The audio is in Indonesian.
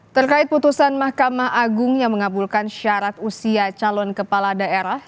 terkait putusan mahkamah agung yang mengabulkan syarat usia calon kepala daerah